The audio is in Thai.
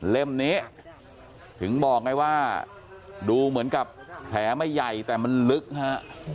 นี้ถึงบอกไงว่าดูเหมือนกับแผลไม่ใหญ่แต่มันลึกฮะ